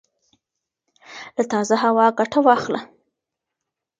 له تازه هوا ګټه واخله